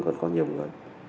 còn có nhiều người